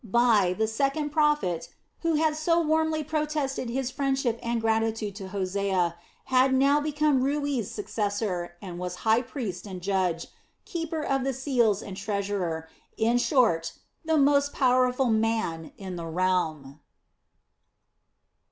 Bai, the second prophet, who had so warmly protested his friendship and gratitude to Hosea, had now become Rui's successor and was high priest and judge, keeper of the seals and treasurer, in short, the most powerful man in the realm.